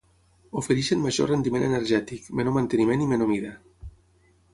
Ofereixen major rendiment energètic, menor manteniment i menor mida.